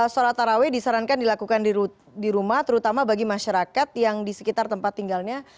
sholat taraweh disarankan dilakukan di rumah terutama bagi masyarakat yang di sekitar tempat tinggalnya